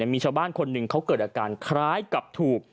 มีชาวบ้านคนหนึ่งเขาเกิดอาการคล้ายกับถูก